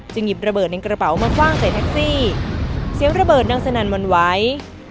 หยิบระเบิดในกระเป๋ามาคว่างใส่แท็กซี่เสียงระเบิดดังสนั่นวันไหว